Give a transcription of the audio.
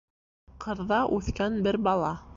Ҡырҙа үҫкән бер бала